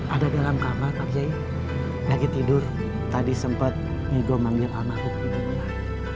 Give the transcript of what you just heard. ada dalam kamar pak yai lagi tidur tadi sempet nigo manggil anakku ke rumah